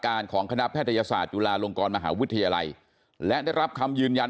ของคณะแพทยศาสตร์จุฬาลงกรมหาวิทยาลัยและได้รับคำยืนยัน